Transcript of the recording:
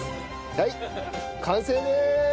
はい完成でーす！